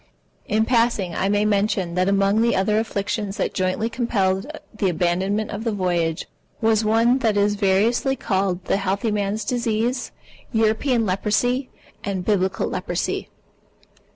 In passing, I may mention that among the other afflictions that jointly compelled the abandonment of the voyage, was one that is variously called the healthy man's disease, European Leprosy, and Biblical Leprosy.